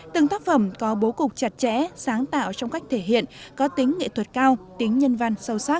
từng tác phẩm có bố cục chặt chẽ sáng tạo trong cách thể hiện có tính nghệ thuật cao tính nhân văn sâu sắc